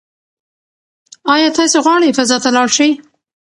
ایا تاسي غواړئ فضا ته لاړ شئ؟